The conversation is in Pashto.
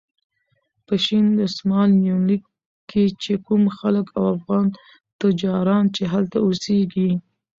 په شین دسمال یونلیک کې چې کوم خلک او افغان تجاران چې هلته اوسېږي.